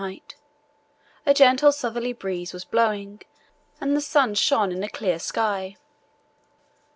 5° Fahr., a gentle southerly breeze was blowing and the sun shone in a clear sky.